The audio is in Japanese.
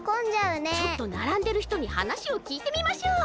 ちょっとならんでるひとにはなしをきいてみましょう。